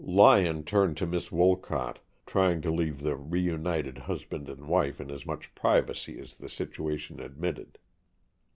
Lyon turned to Miss Wolcott, trying to leave the reunited husband and wife in as much privacy as the situation admitted.